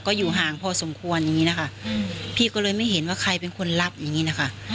ก็อยู่ห่างพอสมควรอย่างนี้นะคะพี่ก็เลยไม่เห็นว่าใครเป็นคนรับอย่างนี้นะคะ